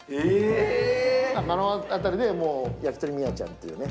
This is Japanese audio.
あの辺りでもう焼き鳥宮ちゃんっていうね。